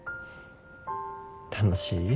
楽しい？